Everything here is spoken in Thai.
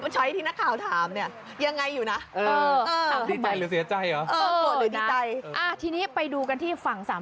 จะขึ้นรถนะ